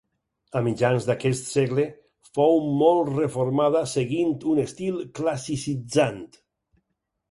A mitjans d'aquest segle fou molt reformada seguint un estil classicitzant.